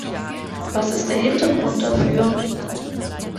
Was ist der Hintergrund dafür?